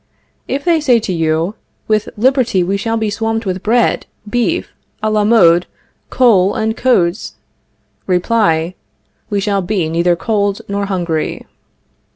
If they say to you: With liberty we shall be swamped with bread, beef a la mode, coal, and coats Reply: We shall be neither cold nor hungry.